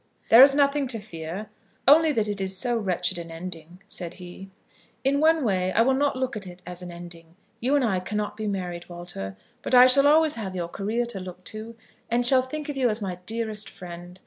"There is nothing to fear, only that it is so wretched an ending," said he. "In one way I will not look on it as an ending. You and I cannot be married, Walter; but I shall always have your career to look to, and shall think of you as my dearest friend.